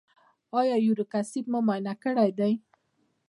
ایا یوریک اسید مو معاینه کړی دی؟